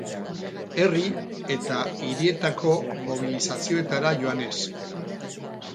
Herri eta hirietako mobilizazioetara joanez.